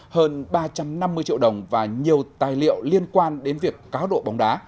hơn ba trăm năm mươi triệu đồng và nhiều tài liệu liên quan đến việc cáo độ bóng đá